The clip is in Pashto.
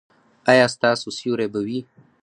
ایا ستاسو سیوری به وي؟